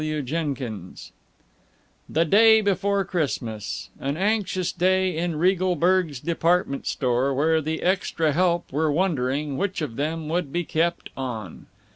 CHAPTER XI The day before Christmas an anxious day in Regalberg's department store, where the "extra help" were wondering which of them would be kept on.